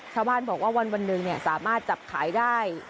ชาวบ้านบอกว่าวันหนึ่งสามารถจับขายได้